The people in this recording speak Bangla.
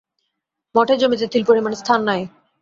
মঠের জমিতে তিল-পরিমাণ স্থান নাই।